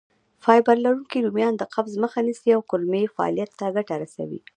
فایبر لرونکي رومیان د قبض مخه نیسي او د کولمو فعالیت ته ګټه رسوي.